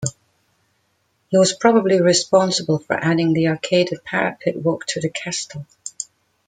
He was probably responsible for adding the arcaded parapet walk to the castle.